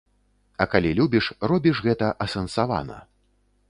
А калі любіш, робіш гэта асэнсавана.